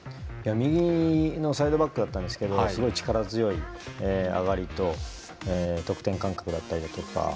右のサイドバックだったんですけどすごい力強い上がりと得点感覚だったりとか。